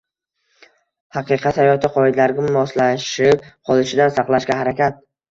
“haqiqat hayoti” qoidalariga moslashib qolishidan saqlashga harakat